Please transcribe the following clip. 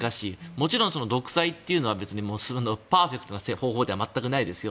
もちろん独裁というのはパーフェクトな方法じゃないですよ。